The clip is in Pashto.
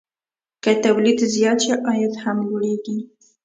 که تولید زیات شي، عاید هم لوړېږي.